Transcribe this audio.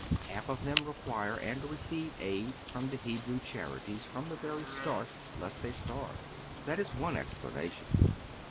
Half of them require and receive aid from the Hebrew Charities from the very start, lest they starve. That is one explanation.